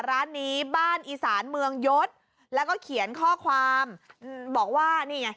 ร้านนี้บ้านอีสานเมืองยศแล้วก็เขียนข้อความบอกว่านี่ไง